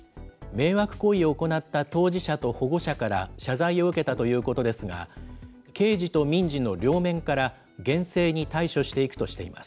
迷惑行為を行った当事者と保護者から謝罪を受けたということですが、刑事と民事の両面から厳正に対処していくとしています。